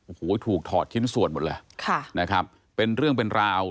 โอ้โหถูกถอดชิ้นส่วนหมดเลยค่ะนะครับเป็นเรื่องเป็นราว